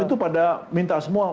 itu pada minta semua